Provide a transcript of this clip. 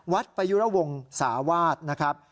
วัดประยุรวงศ์สาวาสนะครับ